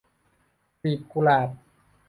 กลีบกุหลาบ